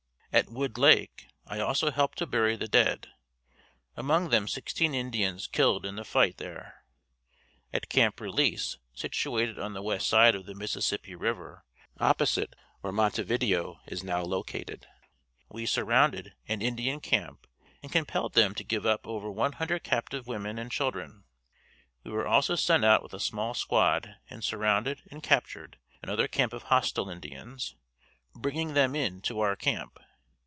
At Wood Lake, I also helped to bury the dead, among them sixteen Indians killed in the fight there. At Camp Release situated on the west side of the Mississippi river opposite where Montevideo is now located, we surrounded an Indian camp and compelled them to give up over one hundred captive women and children. We were also sent out with a small squad and surrounded and captured another camp of hostile Indians, bringing them in to our camp.